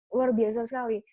luar biasa sekali